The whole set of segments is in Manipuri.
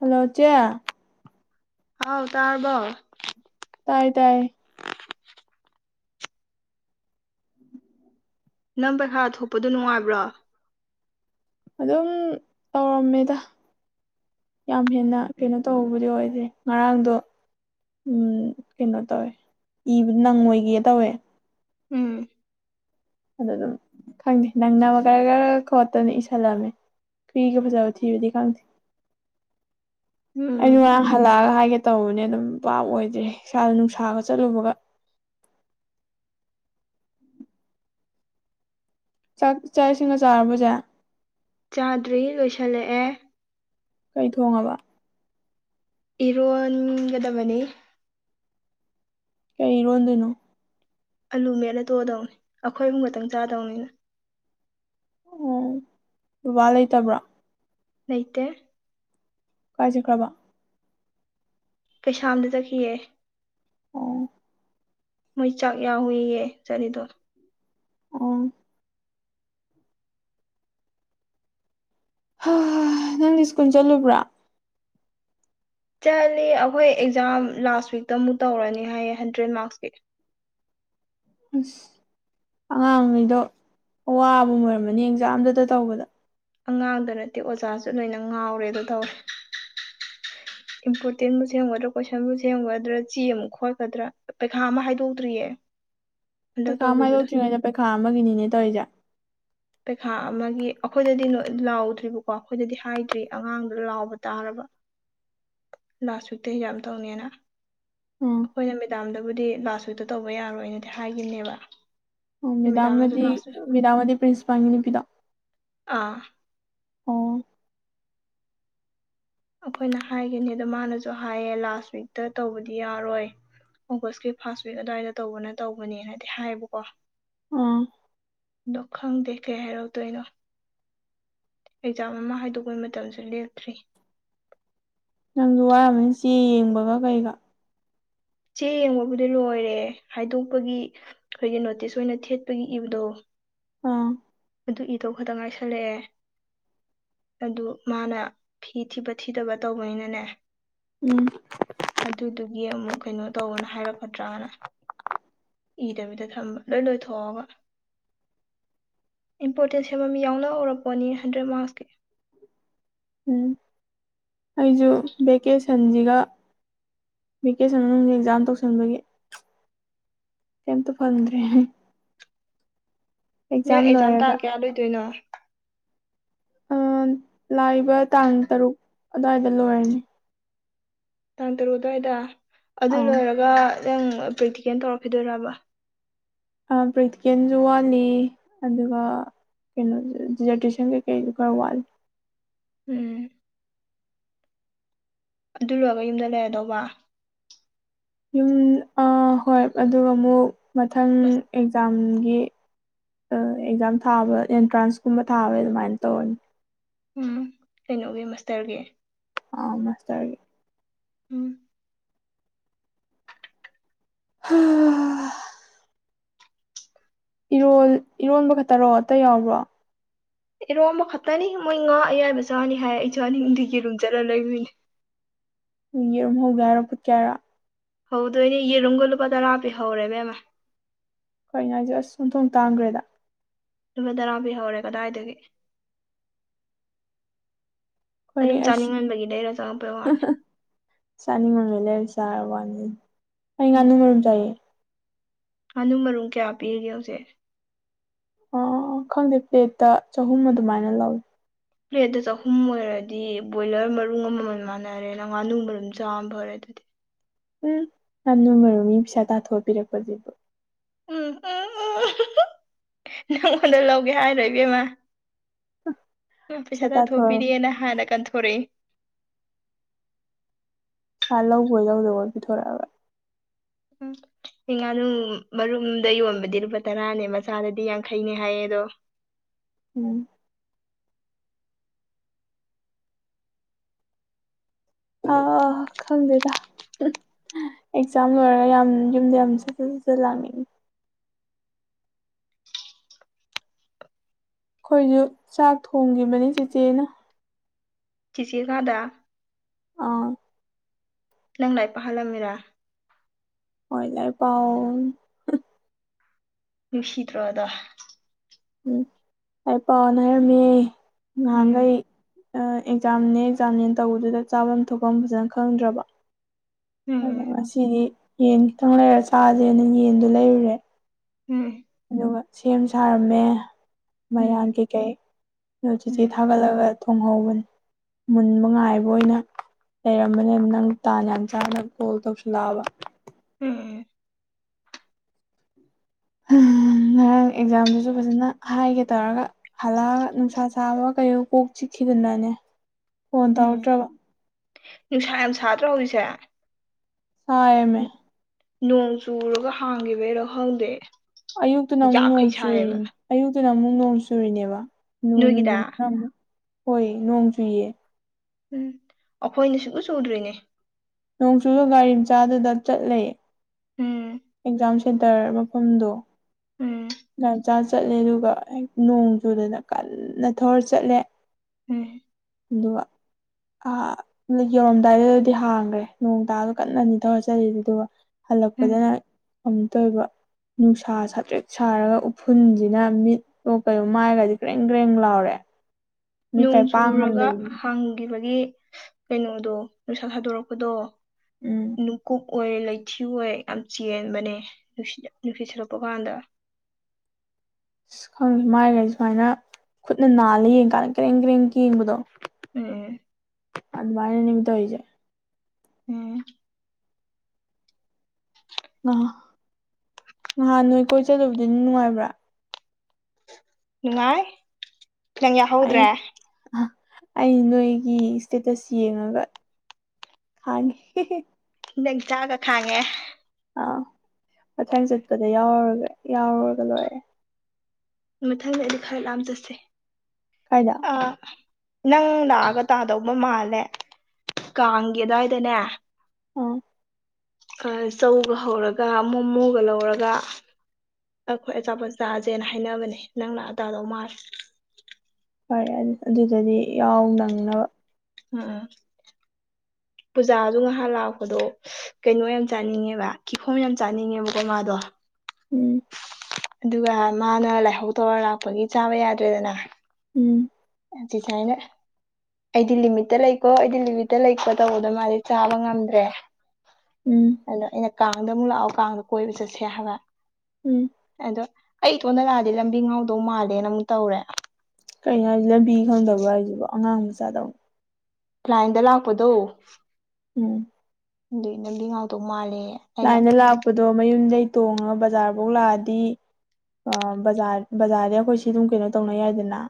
ꯍꯜꯂꯣ ꯆꯌꯥ ꯍꯥꯎ ꯇꯔꯔꯕꯣ ꯇꯥꯏ ꯇꯥꯏꯌꯦ ꯅꯪ ꯄꯩꯈꯥ ꯊꯣꯛꯄꯗꯣ ꯅꯨꯡꯉꯥꯏꯕ꯭ꯔꯣ ꯑꯗꯨꯝ ꯇꯧꯔꯝꯃꯦꯗ ꯌꯥꯝ ꯍꯦꯟꯅ ꯀꯩꯅꯣ ꯇꯧꯕꯕꯨꯗꯤ ꯑꯣꯏꯗꯦ ꯉꯔꯥꯡꯗꯣ ꯎꯝ ꯀꯩꯅꯣ ꯇꯧꯋꯦ ꯏꯕ ꯅꯪꯉꯣꯏꯒꯦ ꯇꯧꯋꯦ ꯎꯝ ꯑꯗꯨ ꯑꯗꯨꯝ ꯈꯪꯗꯦ ꯅꯪꯅꯕ ꯈꯔ ꯈꯔ ꯈꯣꯠꯇꯅ ꯏꯁꯜꯂꯝꯃꯦ ꯀ ꯀ ꯐꯖꯥ ꯊꯤꯕꯗꯤ ꯈꯪ ꯎꯝ ꯑꯩꯅ ꯍꯜꯂꯛꯑꯒ ꯍꯥꯏꯒꯦ ꯇꯧꯕꯅꯦ ꯑꯗꯨꯝ ꯄꯥꯞ ꯑꯣꯏꯗ꯭ꯔꯦ ꯏꯁꯥꯗ ꯅꯨꯡꯁꯥꯒ ꯆꯠꯂꯨꯕꯒ ꯆꯥꯛ ꯏꯥꯛ ꯏꯁꯤꯡꯒ ꯆꯥꯨꯔꯕꯁꯦ ꯆꯥꯗ꯭ꯔꯤ ꯂꯣꯏꯁꯤꯜꯂꯛꯑꯦ ꯀꯩ ꯊꯣꯡꯉꯕ ꯏꯔꯣꯟꯒꯗꯕꯅꯤ ꯀꯩ ꯏꯔꯣꯟꯗꯣꯏꯅꯣ ꯑꯥꯂꯨ ꯃꯦꯠꯂ ꯇꯣꯛꯗꯧꯅꯤ ꯑꯩꯈꯣꯏꯕꯨ ꯈꯛꯇꯪ ꯆꯥꯗꯧꯅꯤꯅ ꯑꯣ ꯕꯥ ꯂꯩꯇꯕ꯭ꯔꯥ ꯂꯩꯇ ꯀꯥꯏꯖꯈ꯭ꯔꯕ ꯀꯩꯁꯥꯝꯗ ꯆꯠꯈꯤꯑꯦ ꯑꯣ ꯃꯣꯏ ꯆꯥꯛ ꯌꯥꯎꯋꯏꯌꯦ ꯆꯠꯅꯤꯗꯣ ꯑꯣ ꯍ ꯍꯣꯏ ꯅꯪꯅ ꯁ꯭ꯀꯨꯜ ꯆꯠꯂꯨꯕ꯭ꯔꯥ ꯆꯠꯂꯤ ꯑꯩꯈꯣꯏ ꯑꯦꯛꯖꯥꯝ ꯂꯥꯁ ꯋꯤꯛꯇ ꯑꯃꯨꯛ ꯇꯧꯔꯅꯤ ꯍꯥꯏꯌꯦ ꯍꯟꯗ꯭ꯔꯦꯗ ꯃꯥꯔꯛꯁꯀꯤ ꯑꯁ ꯑꯉꯥꯡꯉꯩꯗꯣ ꯑꯋꯥꯕ ꯑꯣꯏꯔꯝꯃꯅꯤ ꯑꯦꯛꯖꯥꯝꯗꯨꯇ ꯇꯧꯕꯗ ꯑꯉꯥꯡꯗ ꯅꯠꯇꯦ ꯑꯣꯖꯥꯁꯨ ꯂꯣꯏꯅ ꯉꯥꯎꯔꯦꯗ ꯇꯧꯋꯦ ꯏꯝꯄꯣꯔꯇꯦꯟꯕꯨ ꯁꯦꯝꯒꯗ꯭ꯔꯥ ꯀꯣꯏꯁꯟꯕꯨ ꯁꯦꯝꯒꯗ꯭ꯔꯥ ꯆꯦ ꯑꯃꯨꯛ ꯈꯣꯠꯀꯗ꯭ꯔꯥ ꯄꯩꯈꯥ ꯑꯃ ꯍꯥꯏꯗꯣꯛꯇ꯭ꯔꯤꯌꯦ ꯍꯟꯗꯛ ꯄꯩꯈꯥ ꯇꯧꯈꯤꯕꯗꯣ ꯍꯥꯏꯥꯏꯗꯣꯛꯇ꯭ꯔꯤꯉꯩꯗ ꯄꯩꯈꯥ ꯑꯃꯒꯤꯅꯤꯅꯦ ꯇꯧꯔꯤꯁꯦ ꯄꯩꯈꯥ ꯑꯃꯒꯤ ꯑꯩꯈꯣꯏꯗꯗꯤ ꯂꯥꯎꯗ꯭ꯔꯤꯕꯀꯣ ꯑꯩꯈꯣꯏꯗꯗꯤ ꯍꯥꯏꯗ꯭ꯔꯤ ꯑꯉꯥꯡꯗꯨ ꯂꯥꯎꯕ ꯇꯥꯔꯕ ꯂꯥꯁ ꯋꯤꯛꯇ ꯍ ꯌꯥꯝ ꯇꯧꯅꯤꯅ ꯑ ꯑꯩꯈꯣꯏꯅ ꯃꯦꯗꯥꯝꯗꯕꯨꯗꯤ ꯂꯥꯁ ꯋꯤꯛꯇ ꯇꯧꯕ ꯌꯥꯔꯣꯏꯅꯗꯤ ꯍꯥꯏꯈꯤꯅꯦꯕ ꯑꯣ ꯃꯦꯗꯥꯝꯗꯤ ꯃꯦꯗꯥꯝꯗꯤ ꯄ꯭ꯟꯁꯤꯄꯥꯜꯅꯤ ꯅꯨꯄꯤꯗꯣ ꯑꯥ ꯑꯣ ꯑꯩꯈꯣꯏꯅ ꯍꯥꯏꯒꯅꯤ ꯑꯗꯣ ꯃꯥꯅꯁꯨ ꯍꯥꯏꯌꯦ ꯂꯥꯁ ꯋꯤꯛꯇ ꯇꯧꯕꯗꯤ ꯌꯥꯔꯣꯏ ꯑꯣꯒꯁꯀꯤ ꯐꯥꯔꯁ ꯋꯤꯛ ꯑꯗꯨꯋꯥꯏꯗ ꯇꯧꯕꯅ ꯇꯧꯕꯅꯦꯅꯗꯤ ꯍꯥꯏꯌꯦꯕꯀꯣ ꯑꯥ ꯅ ꯈꯪ ꯗꯦꯈꯦ ꯍꯥꯏꯔꯛ ꯇꯣꯏꯩꯅꯣ ꯑꯦꯛꯖꯥꯝ ꯑꯃ ꯍꯥꯏꯗꯣꯛꯄꯩ ꯃꯇꯝꯁꯨ ꯂꯦꯞꯇ꯭ꯔꯤ ꯅꯪꯁꯨ ꯋꯥꯔꯕꯅꯤ ꯆꯦ ꯌꯦꯡꯕꯒ ꯀꯩꯒ ꯆꯦ ꯌꯦꯡꯕꯕꯨꯗꯤ ꯂꯣꯏꯔꯦ ꯍꯥꯏꯗꯣꯛꯄꯒꯤ ꯑꯩꯈꯣꯏꯒꯤ ꯅꯣꯇꯤꯁ ꯑꯣꯏꯅ ꯊꯦꯠꯄꯒꯤ ꯏꯕꯗꯣ ꯑꯥ ꯑꯗꯨ ꯏꯗꯧ ꯈꯛꯇ ꯉꯥꯏꯁꯜꯂꯛꯑꯦ ꯑꯗꯨ ꯃꯥꯅ ꯐꯤ ꯊꯤꯕ ꯊꯤꯗꯕ ꯇꯧꯕꯅꯤꯅꯅꯦ ꯎꯝ ꯑꯗꯨꯗꯨꯒꯤ ꯑꯃꯨꯛ ꯀꯩꯅꯣ ꯇꯧꯕꯅ ꯍꯥꯏꯔꯛꯀꯗ꯭ꯔꯥꯅ ꯏꯗꯕꯤꯗ ꯊꯝꯕ ꯂꯣꯏ ꯂꯣꯏꯊꯣꯛꯑꯒ ꯏꯝꯄꯣꯔꯇꯦꯟꯁꯦꯃ ꯌꯥꯎꯅ ꯍꯧꯔꯛꯄꯅꯤ ꯍꯟꯗ꯭ꯔꯦꯗ ꯃꯥꯔꯛꯁꯀꯤ ꯎꯝ ꯑꯩꯁꯨ ꯚꯦꯀꯦꯁꯟꯁꯤꯒ ꯚꯦꯀꯦꯁꯟ ꯃꯅꯨꯡ ꯑꯦꯛꯖꯥꯝ ꯇꯧꯁꯤꯟꯕꯒꯤ ꯇꯇ ꯐꯜꯗ꯭ꯔꯦ ꯅꯣꯏ ꯑꯦꯛꯖꯥꯝ ꯇꯥ ꯂꯣꯏꯔꯒ ꯀꯦꯌꯥꯗꯣꯏꯗꯣꯏꯅꯣ ꯂꯥꯛꯏꯕ ꯇꯥꯡ ꯇꯔꯨꯛ ꯑꯗꯨꯋꯥꯏꯗ ꯂꯣꯏꯔꯅꯤ ꯇꯥꯡ ꯇꯔꯨꯛ ꯑꯗꯨ꯭ꯋꯥꯏꯗ ꯑꯗꯨ ꯑꯥ ꯂꯣꯏꯔꯒ ꯅꯪ ꯄ꯭ꯔꯦꯛꯇꯤꯀꯦꯜ ꯇꯧꯔꯛꯈꯤꯗꯣꯏꯔꯕ ꯕ꯭ꯔꯤꯠꯀꯦꯟꯁꯨ ꯋꯥꯠꯂꯤ ꯑꯗꯨꯒ ꯀꯩꯅꯣꯁꯦ ꯗꯤꯖꯔꯇꯦꯁꯟ ꯀꯩꯀꯩꯁꯨꯣ ꯈꯔ ꯋꯥꯠꯂꯤꯦ ꯎꯝ ꯑꯗꯨ ꯂꯣꯏꯔꯒ ꯌꯨꯝꯗ ꯂꯩꯔꯗꯧꯕ ꯌꯨꯝ ꯍꯣꯏ ꯑꯗꯨꯒ ꯑꯃꯨꯛ ꯃꯊꯪ ꯑꯦꯛꯖꯥꯝꯒꯤ ꯑꯦꯛꯖꯥꯝ ꯊꯥꯕ ꯑꯦꯟꯇ꯭ꯔꯥꯟꯁꯀꯨꯝꯕ ꯊꯥꯕ ꯑꯗꯨꯃꯥꯏꯅ ꯇꯧꯔꯅꯤ ꯎꯝ ꯀꯩꯅꯣꯒꯤ ꯃꯁꯇꯔꯒꯤ ꯑ ꯃꯁ ꯍꯥꯏꯦ ꯎꯝ ꯍ ꯏꯔꯣ ꯏꯔꯣꯟꯕ ꯈꯛꯇꯔꯣ ꯑꯇ ꯌꯥꯎꯕ꯭ꯔꯣ ꯑꯦꯔꯣꯝꯕ ꯈꯛꯇꯅꯤ ꯃꯣꯏ ꯉꯥ ꯑꯌꯥꯏꯕ ꯆꯥꯔꯅꯤ ꯍꯥꯏ ꯑꯩꯁꯨ ꯑꯅꯤꯡꯒꯤ ꯑꯗꯨꯨꯝ ꯆꯠꯂ ꯂꯩꯔꯣꯏꯅꯦ ꯌꯦꯔꯨꯝ ꯍꯧꯒꯦ ꯍꯥꯏꯔꯣ ꯄꯨꯠꯀꯦ ꯍꯥꯏꯔꯣ ꯍꯧꯗꯣꯏꯅꯦ ꯌꯦꯔꯨꯝꯒ ꯂꯨꯄꯥ ꯇꯔꯥ ꯄꯤ ꯍꯧꯔꯦꯕꯦꯝꯃ ꯍꯣꯏ ꯉꯥꯏꯁꯦ ꯑꯁ ꯁꯨꯝꯊꯣꯡ ꯇꯥꯡꯈ꯭ꯔꯦꯗ ꯂꯨꯃꯤ ꯇꯔꯥꯝ ꯄ ꯍꯧꯔꯦ ꯀꯗꯥꯏꯗꯒꯤ ꯑꯩꯈꯣꯏ ꯑꯗꯨꯝ ꯑꯁ ꯆꯥꯅꯤꯡꯉꯕꯒꯤꯗ ꯑꯩꯅꯣ ꯆꯪꯉꯛꯄ ꯋꯥꯂꯦ ꯆꯥꯅꯤꯡꯉꯣꯝꯗ ꯂꯩꯔ ꯆꯥꯔ ꯋꯥꯅꯤ ꯑꯩ ꯉꯥꯅꯨ ꯃꯔꯝ ꯆꯥꯏꯌꯦ ꯍꯥꯥꯅꯨ ꯃꯔꯨꯝ ꯀꯌꯥ ꯄꯤꯒꯦ ꯍꯧꯖꯤꯛ ꯑ ꯑ ꯑ ꯈꯪꯗꯦ ꯄ꯭ꯂꯦꯠꯇ ꯆꯍꯨꯝ ꯑꯗꯨꯃꯥꯏꯅ ꯂꯧꯏ ꯄ꯭ꯂꯦꯠꯇ ꯆꯍꯨꯝ ꯑꯣꯏꯔꯗꯤ ꯕꯣꯏꯂꯔ ꯃꯔꯨꯝ ꯑꯃꯃꯜ ꯃꯥꯟꯅꯔꯦꯅ ꯉꯥꯅꯨ ꯃꯔꯨꯝ ꯆꯥꯃ ꯐꯔꯦ ꯑꯗꯨꯗꯤ ꯎꯝ ꯌꯥꯝꯅꯅꯨꯡ ꯃꯔꯔꯨ ꯃꯤ ꯄꯩꯁꯥ ꯇꯥꯊꯣꯛꯑꯄꯤꯔꯛꯄꯁꯤꯕꯨꯣ ꯎꯝ ꯎ ꯎ ꯅꯪꯉꯣꯟꯗ ꯂꯧꯒꯦ ꯍꯥꯏꯔꯣꯏ ꯏꯕꯦꯝꯃ ꯄꯩꯁꯥ ꯇꯥꯊꯣꯛꯄꯤꯔꯛꯦꯅ ꯍꯥꯟꯅ ꯀꯟꯊꯣꯔꯛꯏ ꯏꯁꯥ ꯂꯧꯕ ꯌꯧꯗꯕꯣ ꯄꯤꯊꯣꯔꯛꯑꯒ ꯎꯝ ꯉꯥꯅꯨ ꯃꯔꯨꯝꯗ ꯌꯣꯟꯕꯗꯤ ꯂꯨꯄꯥ ꯇꯔꯥꯅꯦ ꯃꯆꯥꯗꯗꯤ ꯌꯥꯡꯈꯩꯅꯦ ꯍꯥꯏꯌꯦ ꯑꯗꯣ ꯎꯝ ꯑꯥ ꯈꯪꯗꯦꯗ ꯑꯦꯛꯖꯥꯝ ꯂꯣꯏꯔꯒ ꯌꯥꯝ ꯌꯨꯝꯗ ꯌꯥꯝ ꯁꯖ ꯐꯖ ꯂꯥꯛꯅꯤꯡꯉꯤ ꯑꯩꯈꯣꯏꯁꯨ ꯆꯥꯛ ꯊꯣꯡꯈꯤꯕꯅꯤ ꯆꯦꯆꯦꯅ ꯆꯤꯆꯦ ꯀꯗ ꯑꯥ ꯂꯪ ꯂꯩ ꯄꯥꯜꯂꯝꯔꯥ ꯑꯣꯣꯏꯂꯔ ꯄꯥꯎ ꯅꯨꯡꯁꯤꯗ꯭ꯔꯣꯗ ꯎꯝ ꯑꯩ ꯄꯥꯎꯅ ꯍꯥꯏꯔꯝꯃꯤꯌꯦ ꯎꯝ ꯉꯍꯥꯟꯈꯩ ꯑꯦꯛꯖꯥꯝꯅꯦ ꯑꯦꯛꯖꯥꯝꯅꯦ ꯇꯧꯕꯗꯨꯗ ꯆꯥꯐꯝ ꯊꯣꯛꯐꯝ ꯐꯖꯅ ꯈꯪꯗ꯭ꯔꯕ ꯎꯝ ꯑꯗ ꯉꯁꯤꯗꯤ ꯌꯦꯟ ꯈꯤꯇꯪ ꯂꯩꯔ ꯆꯥꯗꯦꯅ ꯌꯦꯟꯗꯣ ꯂꯩꯔꯨꯔꯦ ꯎꯝ ꯑꯗꯨꯒ ꯁꯦꯝ ꯁꯥꯔꯝꯃꯦ ꯃꯌꯥꯟ ꯎꯝ ꯀꯩꯀꯩꯣ ꯎꯝ ꯆꯤꯆꯤ ꯊꯥꯒꯠꯂꯒ ꯊꯣꯡꯍꯧꯕꯅꯤ ꯃꯨꯟꯕ ꯉꯥꯏꯕ ꯑꯣꯏꯅ ꯂꯩꯔꯝꯕꯅꯦ ꯅꯪ ꯇꯥꯟ ꯌꯥꯝ ꯆꯥꯅ ꯀꯣꯜ ꯇꯧꯁꯤꯜꯂꯛꯑꯕ ꯎꯝ ꯎꯝ ꯉꯔꯥꯡ ꯑꯦꯛꯖꯥꯝꯗꯨꯁꯨ ꯐꯖꯅ ꯍꯥꯏꯒꯦ ꯇꯧꯔꯒ ꯍꯜꯂꯥꯒ ꯅꯨꯡꯁꯥ ꯁꯥꯕ ꯀꯩꯣ ꯀꯣꯛ ꯆꯤꯛꯈꯤꯗꯅꯅꯦ ꯐꯣꯟ ꯎꯝ ꯇꯧꯔꯛꯇ꯭ꯔꯕ ꯅꯨꯡꯁꯥ ꯌꯥꯝ ꯁꯥꯗ꯭ꯔꯥ ꯍꯧꯖꯤꯛꯁꯦ ꯍ ꯑꯦꯃꯦ ꯟ- ꯅꯣꯡ ꯆꯨꯔꯒ ꯍꯥꯡꯈꯤꯕꯩꯔꯣꯍꯪꯗꯦ ꯑꯌꯨꯛꯇꯅ ꯑꯃꯨꯛ ꯅꯣꯡ ꯆꯨꯔꯤꯅꯤ ꯑꯌꯨꯛꯇꯨꯅ ꯑꯃꯨꯛ ꯅꯣꯡ ꯆꯨꯔꯤꯅꯦꯕ ꯅꯣꯡ ꯅꯨꯡꯗꯨ ꯅꯣꯏꯒꯤꯗ ꯑꯃꯨꯛ ꯍꯣꯏ ꯅꯣꯡ ꯆꯨꯏ ꯎꯝ ꯑꯩꯈꯣꯏꯅ ꯁꯨꯒꯨ ꯆꯨꯗ꯭ꯔꯤꯅꯦ ꯅꯣꯡꯆꯨꯗ ꯒꯥꯔꯤ ꯃꯆꯥꯗꯨꯗ ꯆꯠꯂꯦ ꯎꯝ ꯑꯦꯛꯖꯥꯝ ꯁꯦꯟꯇꯔ ꯃꯐꯝꯗꯣ ꯎꯝ ꯉ ꯆꯥ ꯆꯠꯂꯦ ꯑꯗꯨꯒ ꯅꯣꯡ ꯆꯨꯗꯅ ꯀꯟꯅ ꯊꯧꯔ ꯆꯠꯂꯦ ꯎꯝ ꯑꯗꯨꯒ ꯌꯧꯔꯝꯗꯥꯏꯗꯨꯗꯗꯤ ꯍꯥꯡꯈ꯭ꯔꯦ ꯅꯣꯡ ꯇꯥꯗ ꯀꯟꯅ ꯑꯅꯤ ꯊꯧꯔꯠꯆꯔꯤ ꯑꯗꯨꯒ ꯎꯝ ꯍꯜꯂꯛꯄꯗꯅ ꯑꯝ ꯇ ꯑꯣꯏꯕ ꯅꯨꯡꯁꯥ ꯁꯥꯇ꯭ꯔꯦꯛ ꯁꯥꯔꯒ ꯎꯐꯨꯜꯁꯤꯅ ꯃꯤꯠ ꯑꯣ ꯀꯩꯅꯣ ꯃꯥꯏꯒꯗꯤ ꯀ꯭ꯔꯦꯡ ꯀ꯭ꯔꯦꯡ ꯂꯥꯎꯔꯦ ꯃꯤ ꯅꯣꯡ ꯀꯥꯏ ꯄꯥꯡ ꯆꯨꯔꯒ ꯉꯝꯗꯕꯤ ꯍꯥꯡꯈꯤꯕꯒꯤ ꯀꯩꯅꯣꯗꯣ ꯅꯨꯡꯁꯥ ꯊꯥꯗꯣꯔꯛꯄꯗꯣ ꯎꯝ ꯅꯨꯡꯀꯨꯞ ꯑꯣꯏ ꯂꯩꯊꯤ ꯑꯣꯏ ꯌꯥꯝ ꯆꯦꯟꯕꯅꯦ ꯅꯨꯡꯁꯤꯠ ꯁꯂꯛꯄ ꯀꯥꯟꯗ ꯈꯪꯁꯦ ꯃꯥꯏꯈ ꯑꯩ ꯁꯨꯃꯥꯏꯅ ꯈꯨꯠꯅ ꯅꯥꯜꯂ ꯌꯦꯡꯀꯥꯟꯗ ꯀꯔꯦꯡ ꯀꯔꯦꯡ ꯌꯦꯡꯕꯗꯣ ꯎꯝ ꯑꯗꯨ ꯃꯥꯏꯅ ꯅꯨꯅꯤꯃꯤꯠꯇ ꯍꯦ ꯎꯝ ꯍ ꯍ ꯅꯍꯥꯟ ꯅꯣꯏ ꯀꯣꯏ ꯆꯂꯨꯕꯗꯤ ꯑꯗꯨ ꯅꯨꯡꯉꯥꯏꯕ꯭ꯔꯥ ꯅꯨꯡꯉꯥꯏꯈꯤ ꯅꯪ ꯑꯩ ꯌꯥꯎꯍꯧꯗ꯭ꯔꯦ ꯑꯩ ꯅꯣꯏꯒꯤ ꯏꯁꯇꯦꯇꯁ ꯌꯦꯡꯉꯒ ꯍꯦ ꯖꯪ ꯆꯥꯒ ꯈꯥꯡꯉꯦ ꯑꯥ ꯃꯊꯪ ꯆꯠꯄꯗ ꯌꯥꯎꯔꯨꯔꯒ ꯌꯥꯎꯔꯨꯔꯒ ꯂꯣꯏꯔꯦ ꯃꯊꯪꯗ ꯑꯩꯗ ꯈꯔ ꯂꯥꯑꯝ ꯆꯠꯁꯦ ꯀꯥꯏꯗ ꯅꯪ ꯂꯥꯛꯑꯒ ꯇꯥꯗꯧꯕ ꯃꯥꯜꯂꯦ ꯀꯥꯡꯒꯤꯦꯗꯏꯗꯅꯦ ꯑꯣ ꯆꯧꯒ ꯍꯧꯔꯒ ꯃꯣꯃꯣꯒ ꯂꯧꯔꯒ ꯑꯩꯈꯣꯏ ꯑꯆꯥꯄꯣꯠ ꯆꯁꯦꯅ ꯍꯥꯏꯅꯕꯅꯦ ꯅꯪꯅ ꯑꯗꯥꯗꯣ ꯃꯥꯁꯦ ꯐꯔꯦ ꯑꯗꯨꯗꯗꯤ ꯌꯥꯎ ꯅꯪꯅꯕ ꯎꯝ ꯄꯨꯖꯥꯗꯨ ꯉꯥꯏꯍꯥꯛ ꯂꯥꯛꯄꯗꯣ ꯀꯩꯅꯣ ꯌꯥꯝ ꯆꯥꯅꯤꯡꯉꯦꯕ ꯀꯤꯈꯣꯝ ꯌꯥꯝ ꯆꯥꯅꯤꯡꯉꯦꯕꯀꯣ ꯉꯥꯗꯣ ꯎꯝ ꯑꯗꯨꯒ ꯃꯥꯅ ꯂꯥꯏꯍꯧ ꯇꯧꯔ ꯂꯥꯛꯄꯒꯤ ꯆꯥꯕ ꯌꯥꯗ꯭ꯔꯦꯗꯅ ꯎꯝ ꯑꯗꯤ ꯊꯥꯏꯅ ꯑꯩꯗꯤ ꯂꯤꯃꯤꯠꯇ ꯂꯩꯀꯣ ꯑꯩꯗꯤ ꯂꯤꯃꯤꯠꯇ ꯂꯩꯀꯣ ꯇꯧꯕꯗ ꯃꯥꯗꯤ ꯆꯥꯕ ꯉꯝꯗ꯭ꯔꯦ ꯎꯝ ꯑꯗꯣ ꯑꯩꯅ ꯀꯥꯡꯗ ꯑꯃꯨꯛ ꯂꯥꯛꯑꯣ ꯀꯥꯡꯗ ꯀꯣꯏꯕ ꯆꯠꯁꯦ ꯍꯥꯏꯕ ꯎꯝ ꯑꯗꯣ ꯑꯩ ꯊꯣꯟꯗ ꯂꯥꯛꯑꯗꯤ ꯂꯝꯕꯤ ꯉꯥꯎꯗꯧ ꯃꯥꯜꯂꯦꯅ ꯑꯃꯨꯛ ꯇꯧꯔꯦ ꯀꯩꯅꯣ ꯍꯥꯏꯁꯦ ꯂꯝꯕꯤ ꯈꯪꯗꯕ꯭ꯔꯥ ꯍꯥꯏꯁꯤꯕꯣ ꯑꯉꯥꯡ ꯃꯆꯥꯥꯗꯕ ꯄꯥꯏꯟꯗ ꯂꯥꯛꯄꯗꯣ ꯎꯝ ꯑꯗꯨ ꯅꯗꯤ ꯉꯥꯎꯗꯧ ꯃꯥꯜꯂꯦ ꯑꯩꯅ ꯂꯥꯏꯅ ꯂꯥꯛꯄꯗꯣ ꯃꯌꯨꯝꯗꯒꯤꯩ ꯇꯣꯡꯉꯒ ꯕꯖꯥꯔꯐꯧ ꯂꯥꯛꯑꯗꯤ ꯕꯖꯥꯔ ꯕꯖꯥꯔꯗ ꯑꯩꯈꯣꯏ ꯁꯤ ꯑꯗꯨꯝ ꯀꯩꯅꯣ ꯇꯧꯅ ꯌꯥꯏꯗꯅ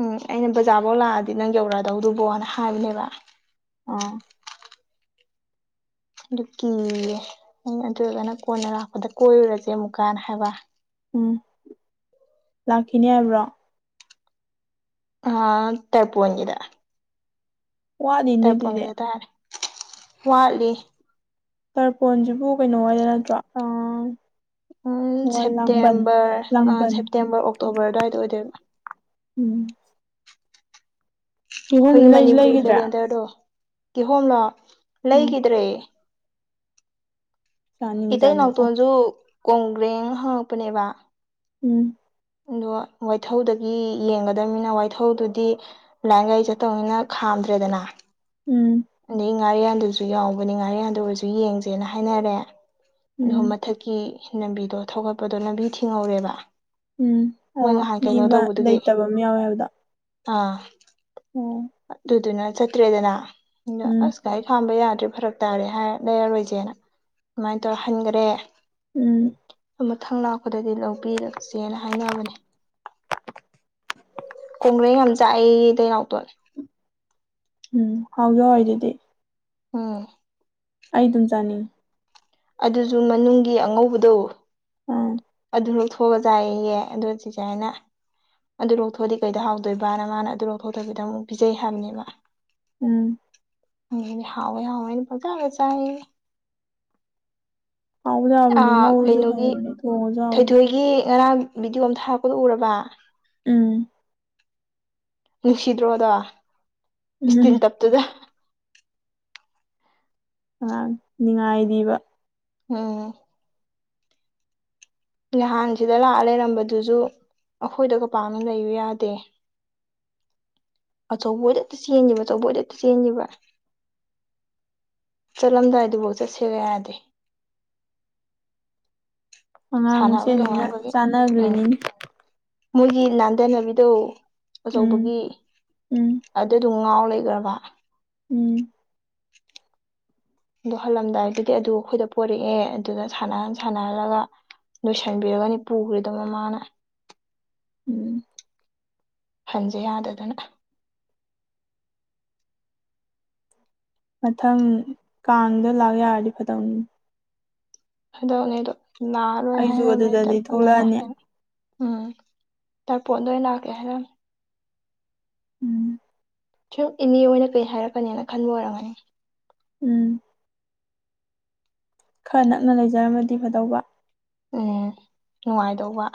ꯎꯝ ꯑꯩꯅ ꯕꯖꯥꯔꯐꯧ ꯂꯥꯛꯑꯗꯤ ꯅꯪ ꯌꯧꯔꯛꯑꯗꯧꯗꯨꯕꯣꯅ ꯍꯥꯏꯔꯤꯅꯦꯕ ꯑꯥ ꯑꯗꯨ ꯀꯤꯌꯦ ꯅꯪ ꯑꯗꯨꯔꯒꯅ ꯀꯣꯟꯅ ꯂꯥꯛꯄꯗ ꯀꯣꯏꯔꯨꯔꯁꯦ ꯑꯃꯨꯛꯀꯥꯟ ꯍꯥꯏꯕ ꯎꯝ ꯂꯥꯛꯈꯤꯅꯦ ꯍꯥꯏꯕ꯭ꯔꯣ ꯑ ꯇꯦꯄ ꯑꯣꯏꯅꯤꯗ ꯋꯥꯠꯂꯤꯅꯦ ꯑꯗꯨꯗꯤ ꯇꯔꯄꯣꯟꯒꯤꯗ ꯇꯥꯔꯦ ꯋꯥꯠꯂꯤ ꯇꯔꯄꯣꯟꯁꯤꯕꯨ ꯀꯩꯅꯣ ꯍꯥꯏꯗ ꯅꯠꯇ꯭ꯔꯣ ꯑ ꯎꯝ ꯁꯦꯞꯇꯦꯝꯕꯔ ꯂꯥꯡꯕꯟ ꯁꯦꯞꯇꯦꯝꯕꯔ ꯑꯣꯛꯇꯣꯕꯔ ꯑꯗꯨꯋꯥꯏꯗ ꯑꯣꯏꯗꯣꯏ ꯎꯝ ꯀꯤꯍꯣꯝ ꯑꯩꯈꯣꯏꯒꯤ ꯂꯩꯁꯨ ꯃꯅꯤꯄꯨꯔꯤ ꯂꯩꯈꯤꯗ꯭ꯔꯥ ꯀꯦꯂꯦꯟꯗꯔꯗꯣ ꯀꯤꯍꯣꯝꯂ ꯎꯝ ꯂꯩꯈꯤꯗ꯭ꯔꯦ ꯆꯥꯅꯤꯡ ꯏꯇꯩ ꯆꯥꯅꯤꯡ ꯑꯣ ꯅꯥꯎꯇꯣꯟꯁꯨ ꯀꯣꯡꯒ꯭ꯔꯦꯡ ꯍꯪꯉꯛꯄꯅꯦꯕ ꯎꯝ ꯑꯣ ꯋꯥꯏꯊꯧꯗꯒꯤ ꯌꯦꯡꯒꯗꯕꯅꯤꯅ ꯋꯥꯏꯊꯧꯗꯨꯗꯤ ꯂꯥꯏꯟꯒꯩ ꯆꯠꯇꯧꯅꯤꯅ ꯈꯥꯝꯗ꯭ꯔꯦꯗꯅ ꯎꯝ ꯑꯗꯩ ꯉꯥꯔꯤꯌꯥꯟꯗꯨꯁꯨ ꯌꯥꯎꯕꯅꯦ ꯉꯥꯔꯤꯌꯥꯟꯗ ꯑꯣꯏꯔꯁꯨ ꯌꯦꯡꯁꯦꯅ ꯍꯥꯏꯅꯔꯦ ꯑꯗꯣ ꯎꯝ ꯃꯊꯛ ꯂꯝꯕꯤꯗꯣ ꯊꯧꯒꯠꯄꯗꯣ ꯂꯝꯕꯤ ꯊꯤꯡꯍꯧꯔꯦꯕ ꯎꯝ ꯃꯣꯏ ꯑꯣ ꯅꯍꯥꯟ ꯃꯤ ꯀꯩꯅꯣ ꯑꯃ ꯇꯧꯕꯗꯨꯒꯤ ꯂꯩꯇꯕ ꯑꯃ ꯌꯥꯎꯋꯦ ꯍꯥꯏꯕꯗꯣ ꯑꯥ ꯑꯣ ꯑꯗꯨꯗꯨꯅ ꯆꯠꯇ꯭ꯔꯦꯗꯅ ꯎꯝ ꯑꯁ ꯔꯤ ꯈꯥꯝꯕ ꯌꯥꯗ꯭ꯔꯦ ꯐꯔꯛ ꯇꯥꯔꯦ ꯍꯥꯏꯔ ꯂꯩꯔꯔꯣꯏꯁꯦꯅ ꯑꯗꯨꯃꯥꯏꯅ ꯇꯧꯔ ꯍꯟꯈꯔꯦ ꯎꯝ ꯃꯊꯪ ꯂꯥꯛꯄꯗꯗꯤ ꯂꯧꯕꯤꯔꯛꯁꯦꯅ ꯍꯥꯏꯅꯕꯅꯦ ꯈꯣꯡ꯭ꯔꯩ ꯌꯥꯝ ꯆꯥꯛꯏ ꯇꯅꯥꯎꯇꯣꯂꯦ ꯎꯝ ꯍꯥꯎꯗ ꯍꯣꯏ ꯑꯗꯨꯗꯤ ꯎꯝ ꯑꯩ ꯑꯗꯨꯝ ꯆꯥꯅꯤꯡꯉꯤ ꯑꯗꯨꯁꯨ ꯃꯅꯨꯡꯒꯤ ꯑꯉꯧꯕꯗꯧ ꯎꯝ ꯑꯗꯨ ꯂꯧ ꯊꯣꯛꯑꯒ ꯆꯥꯏꯍꯦ ꯑꯗꯨ ꯆꯤꯁꯦ ꯍꯥꯏꯅ ꯑꯗꯨ ꯂꯧꯊꯣꯛꯑꯗꯤ ꯀꯩꯗ ꯍꯥꯎꯗꯣꯏꯕꯅ ꯃꯥꯅ ꯑꯗꯨ ꯂꯧꯊꯣꯛꯇꯕꯤꯗ ꯑꯃꯨꯛ ꯄꯤꯖꯩ ꯍꯥꯏꯕꯅꯦꯕ ꯎꯝ ꯃꯤꯅꯗꯤ ꯍꯧꯋꯦ ꯍꯧꯋꯦꯅ ꯈꯪꯆꯗ ꯆꯥꯢꯌꯦ ꯍꯥꯎꯕꯨꯗꯤ ꯑ ꯍꯥꯎꯕꯅꯤ ꯉꯧꯔꯁꯨ ꯀꯩꯅꯣꯒꯤ ꯍꯥꯎꯕꯅꯤ ꯊꯣꯡꯉꯁꯨ ꯍꯥꯎꯕꯅꯤ ꯊꯣꯏꯊꯣꯏꯒꯤ ꯉꯔꯥꯡ ꯚꯤꯗꯤꯑꯣ ꯑꯃ ꯊꯥꯔꯛꯄꯗꯣ ꯎꯔꯕ ꯎꯝ ꯅꯨꯡꯁꯤꯗ꯭ꯔꯣꯗ ꯎꯝ ꯏꯁꯇꯤꯟ ꯇꯞꯇꯨꯗ ꯑꯥ ꯅꯤꯉꯥꯢꯗꯤꯕ ꯑꯝ ꯅꯍꯥꯟꯁꯤꯗ ꯂꯥꯛꯑ ꯂꯩꯔꯝꯕꯗꯨꯁꯨ ꯑꯩꯈꯣꯏꯗꯒ ꯄꯥꯝꯅ ꯂꯩꯌꯨ ꯌꯥꯗꯦ ꯑꯆꯧꯕꯗ ꯆꯦꯟꯈꯤꯕꯕ ꯑꯆꯧꯕꯣꯏꯗ ꯆꯦꯟꯈꯤꯕꯕ ꯆꯠꯂꯝꯗꯥꯏꯗꯨꯐꯥꯎ ꯆꯠꯁꯦꯕ ꯌꯥꯗꯦ ꯑꯉꯥꯡ ꯁꯥꯟꯅꯕ ꯃꯁꯦꯟꯅꯤꯅ ꯅꯨꯡꯉꯥꯏꯕꯒꯤ ꯎꯝ ꯆꯥꯟꯅꯒ꯭ꯔꯤꯅꯤꯅꯦ ꯃꯣꯏꯒꯤ ꯅꯥꯟꯊꯅꯕꯤꯗꯣ ꯎꯝ ꯑꯆꯧꯕꯒꯤ ꯎꯝ ꯑꯗꯨꯗꯣ ꯉꯥꯎ ꯂꯩꯈ꯭ꯔꯕ ꯎꯝ ꯑꯗꯣ ꯍꯜꯂꯝꯗꯥꯏꯗꯨꯗꯤ ꯑꯗꯨ ꯑꯩꯈꯣꯏꯗ ꯄꯣꯔꯛꯑꯦ ꯑꯗꯨꯗ ꯁꯥꯟꯅꯍꯟ ꯁꯥꯟꯅꯍꯜꯂꯒ ꯂꯣꯏꯁꯤꯟꯕꯤꯔꯒꯅꯤ ꯄꯨꯈ꯭ꯔꯤꯗꯕ ꯃꯃꯥꯅ ꯎꯝ ꯈꯟꯖꯦ ꯌꯥꯗꯗꯅ ꯃꯊꯪ ꯀꯥꯡꯗ ꯂꯥꯛ ꯌꯥꯔꯗꯤ ꯐꯗꯧꯅꯤꯅꯦ ꯍꯥꯟꯗꯛꯅꯦ ꯑꯗꯣ ꯂꯥꯛꯑꯔꯣꯏ ꯑꯩꯖꯨ ꯍꯥꯏꯔꯛꯑꯃꯦ ꯑꯗꯨꯗꯗꯤ ꯇ꯭ꯔꯄꯣꯟꯗ ꯊꯣꯛꯂꯛꯑꯅꯤ ꯂꯥꯛꯀꯦꯅ ꯎꯝ ꯇꯔꯄꯣꯟꯗ ꯑꯣꯏꯅ ꯂꯥꯛꯀꯦ ꯍꯥꯏꯔꯝꯃꯦ ꯎꯝ ꯁꯨꯝ ꯏꯅꯦ ꯑꯣꯏꯅ ꯀꯩ ꯍꯥꯏꯔꯛꯀꯅꯦꯅ ꯈꯟꯕ ꯑꯣꯏꯔꯝꯒꯅꯤ ꯎꯝ ꯈꯔ ꯅꯛꯅ ꯂꯩꯖꯔꯝꯃꯗꯤ ꯐꯗꯧꯕ ꯎꯝ ꯅꯨꯡꯉꯥꯏꯗꯧꯕ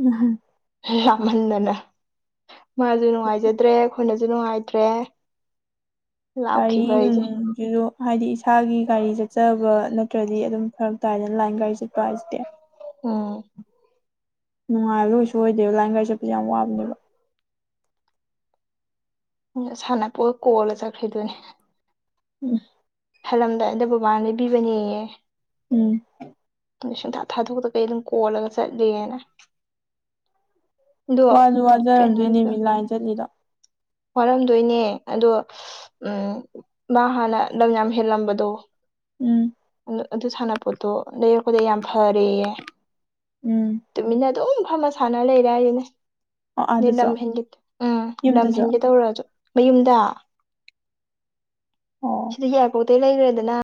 ꯎꯝꯍꯨꯝ ꯂꯥꯞꯃꯟꯗꯅ ꯃꯥꯁꯨ ꯅꯨꯡꯉꯥꯏꯖꯗ꯭ꯔꯦ ꯑꯩꯈꯣꯏꯅꯁꯨ ꯅꯨꯡꯉꯥꯏꯇ꯭ꯔꯦ ꯀꯏ ꯂꯥꯞꯈꯤꯕ ꯎ [inaudible] ꯑꯩꯁꯦ ꯑꯗꯨꯗꯣ ꯍꯥꯏꯗꯤ ꯏꯁꯥꯒꯤ ꯒꯥꯔꯤ ꯆꯠꯆꯕ ꯅꯠꯇ꯭ꯔꯗꯤ ꯑꯗꯨꯝ ꯐꯔꯛ ꯇꯥꯏꯗꯅ ꯂꯥꯏꯟ ꯒꯥꯔꯤ ꯆꯠꯄ ꯍꯥꯏꯁꯤꯗꯤ ꯎꯝ ꯅꯨꯡꯉꯥꯏꯕ ꯂꯣꯏꯁꯨ ꯑꯣꯏꯗꯦꯕ ꯂꯥꯏꯟ ꯒꯥꯥꯏ ꯆꯠꯄꯁꯨ ꯌꯥꯝ ꯋꯥꯕꯅꯦꯕ ꯁꯥꯟꯅꯄꯣꯠ ꯀꯣꯜꯂ ꯆꯠꯈ꯭ꯔꯤꯗꯨꯅꯦ ꯎꯝ ꯍꯜꯂꯝꯗꯥꯏꯗ ꯕꯕꯥꯅ ꯂꯩꯕꯤꯕꯅꯦꯌꯦ ꯎꯝ ꯑꯗꯨꯢ ꯁꯨꯡꯊꯥ ꯊꯥꯗꯣꯛꯗ ꯀꯩ ꯑꯗꯨꯝ ꯀꯣꯜꯂꯒ ꯆꯠꯂꯦꯅ ꯑꯗꯣ ꯋꯥꯁꯨ ꯋꯥꯖꯔꯝꯗꯣꯏꯅꯦ ꯀꯩꯅꯣꯗ ꯃꯤ ꯂꯥꯏꯟ ꯆꯠꯂꯤꯗꯣ ꯋꯥꯔꯝꯗꯣꯏꯅꯦ ꯑꯗꯣ ꯎꯝ ꯃꯥ ꯍꯥꯟꯅ ꯂꯝ ꯌꯥꯝ ꯍꯦꯜꯂꯝꯕꯗꯣ ꯎꯝ ꯑꯗꯨ ꯁꯥꯟꯅꯄꯣꯠꯇꯣ ꯂꯩꯔꯛꯄꯗꯩ ꯌꯥꯝ ꯐꯔꯦꯌꯦ ꯎꯝ ꯇꯨꯃꯤꯟꯅ ꯑꯗꯨꯝ ꯐꯃ ꯁꯥꯟꯅ ꯂꯩꯔꯦ ꯍꯥꯏꯁꯤꯅꯦ ꯑꯣ ꯅ ꯑꯥꯗꯁꯨ ꯂꯝ ꯍꯦꯟꯒꯠ ꯎꯝ ꯂꯝ ꯌꯨꯝꯗꯁꯨ ꯍꯦꯟꯒ ꯇꯧꯔꯁꯨ ꯃꯌꯨꯝꯗ ꯑꯣ ꯁꯤꯗ ꯏꯌꯥꯔꯄꯣꯛꯇꯩ ꯂꯩꯈ꯭ꯔꯦꯗꯅ